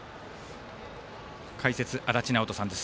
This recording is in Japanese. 解説、足達尚人さんです。